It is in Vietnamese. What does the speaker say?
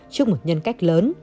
trước một nhân cách lớn